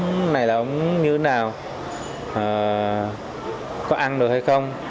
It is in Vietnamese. cái ống này là ống như thế nào có ăn được hay không